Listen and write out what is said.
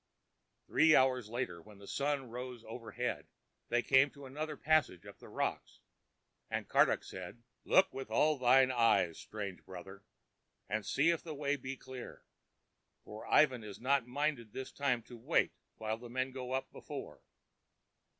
Three hours later, when the sun rode overhead, they came to another passage up the rocks, and Karduk said: "Look with all thine eyes, strange brother, and see if the way be clear, for Ivan is not minded this time to wait while men go up before."